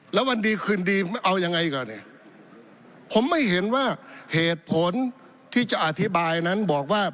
แล้ววันดีคืนดีไม่เอายังไงก่อนเนี่ยผมไม่เห็นว่าเหตุผลที่จะอธิบายนั้นบอกว่า